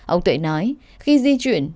ông tuệ nói khi di chuyển